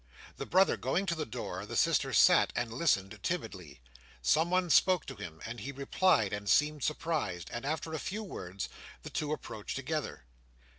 The brother going to the door, the sister sat and listened timidly. Someone spoke to him, and he replied and seemed surprised; and after a few words, the two approached together.